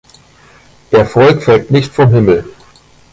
Erfolg fällt nicht vom Himmel.